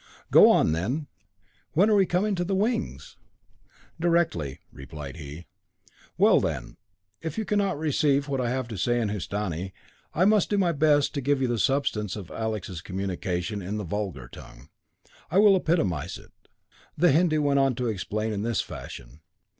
"Go on, then. When are we coming to the wings?" "Directly," replied he. "Well, then if you cannot receive what I have to say in Hindustani, I must do my best to give you the substance of Alec's communication in the vulgar tongue. I will epitomise it. The Hindu went on to explain in this fashion.